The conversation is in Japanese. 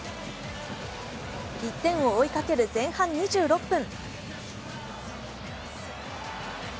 １点を追いかける前半２６分。